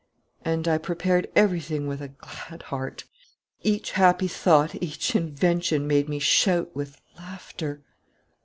"And I prepared everything with a glad heart. Each happy thought, each invention made me shout with laughter.